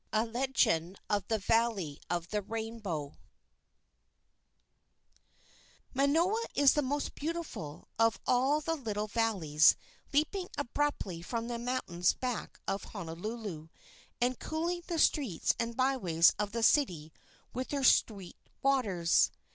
A LEGEND OF THE VALLEY OF RAINBOW I. Manoa is the most beautiful of all the little valleys leaping abruptly from the mountains back of Honolulu and cooling the streets and byways of the city with their sweet waters.